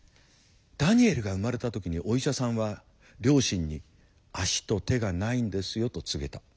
ダニエルが生まれた時にお医者さんは両親に「足と手がないんですよ」と告げた。